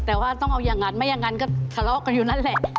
แต่ว่าต้องเอาอย่างนั้นไม่อย่างนั้นก็ทะเลาะกันอยู่นั่นแหละ